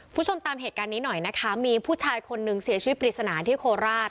คุณผู้ชมตามเหตุการณ์นี้หน่อยนะคะมีผู้ชายคนหนึ่งเสียชีวิตปริศนาที่โคราช